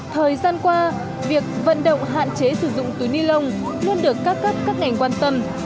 thời gian qua việc vận động hạn chế sử dụng túi ni lông luôn được các cấp các ngành quan tâm